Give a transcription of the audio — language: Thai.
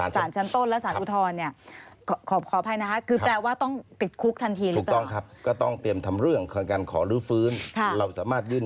สารณีกายืนตามสาร